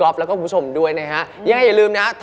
รอที่จะมาอัปเดตผลงานแล้วก็เข้าไปโด่งดังไกลถึงประเทศจีน